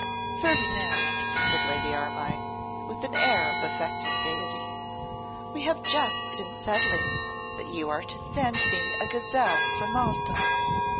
'Ferdinand,' said Lady Armine, with an air of affected gaiety, 'we have just been settling that you are to send me a gazelle from Malta.